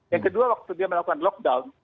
yang kedua waktu dia melakukan lockdown